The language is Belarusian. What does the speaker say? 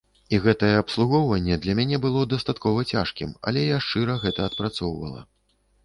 І гэтае абслугоўванне для мяне было дастаткова цяжкім, але я шчыра гэта адпрацоўвала.